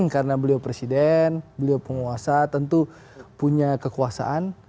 karena beliau presiden beliau penguasa tentu punya kekuasaan